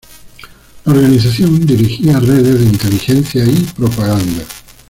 La organización dirigía redes de inteligencia y propaganda.